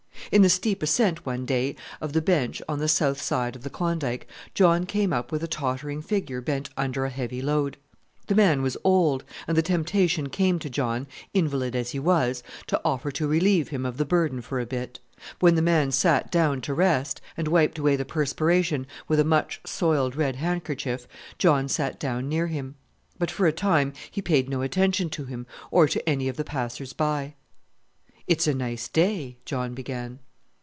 In the steep ascent, one day, of the bench on the south side of the Klondike, John came up with a tottering figure bent under a heavy load. The man was old, and the temptation came to John invalid as he was to offer to relieve him of the burden for a bit; when the man sat down to rest, and wiped away the perspiration with a much soiled red handkerchief. John sat down near him; but for a time he paid no attention to him, or to any of the passers by. "It's a nice day," John began.